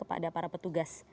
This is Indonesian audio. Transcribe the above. kepada para petugas